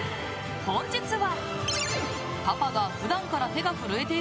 本日は。